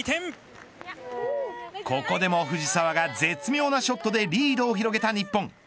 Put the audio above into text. ここでも藤澤が絶妙なショットでリードを広げた日本。